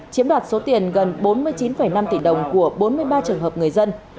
chiếm đoạt số tiền gần bốn mươi chín năm tỷ đồng của bốn mươi ba trường hợp người dân